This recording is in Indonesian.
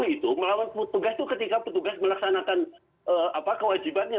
dua ratus enam puluh itu melawan petugas itu ketika petugas melaksanakan kewajibannya